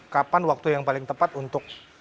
kapan waktu yang paling tepat untuk